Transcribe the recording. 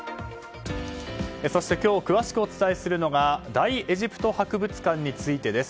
そして今日詳しくお伝えするのが大エジプト博物館についてです。